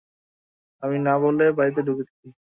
আমি না বলে বাড়িতে ঢুকেছি।